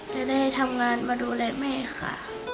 จะได้ทำงานมาดูแลแม่ค่ะ